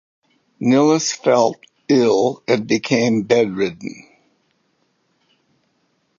Nilis fell ill and became bedridden.